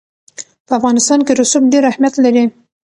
په افغانستان کې رسوب ډېر اهمیت لري.